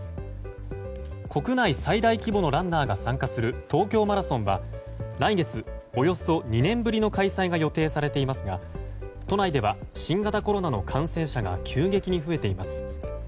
国内最大規模のランナーが参加する東京マラソンは来月およそ２年ぶりの開催が予定されていますが都内では新型コロナの感染者が急激に増えています。